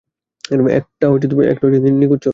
একটা নিখুঁত চড়ুই।